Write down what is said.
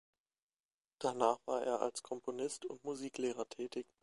Danach war er als Komponist und Musiklehrer tätig.